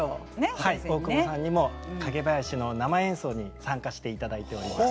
はい大久保さんにも蔭囃子の生演奏に参加していただいております。